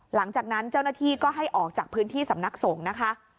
หลังจากนั้นเจ้าหน้าที่ก็ให้ออกจากพื้นที่สำนักสงฆ์นะคะ